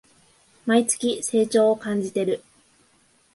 毎月、成長を感じてる